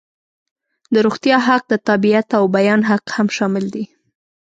د روغتیا حق، د تابعیت او بیان حق هم شامل دي.